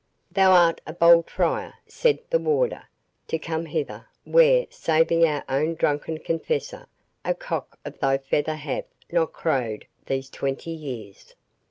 "Thou art a bold friar," said the warder, "to come hither, where, saving our own drunken confessor, a cock of thy feather hath not crowed these twenty years."